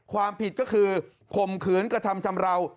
ความผิดก็คือข่มขืนกระทำชำราว